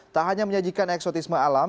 tak hanya menyajikan eksotisme alam